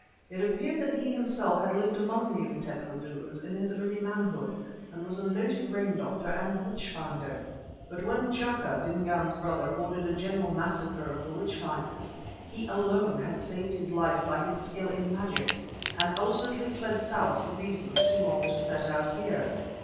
It appeared that he himself had lived among the Umtetwa Zulus in his earlier manhood, and was a noted rain doctor and witch finder. But when T'Chaka, Dingaan's brother, ordered a general massacre of the witch finders, he alone had saved his life by his skill in magic, and ultimately fled south for reasons too long to set out here.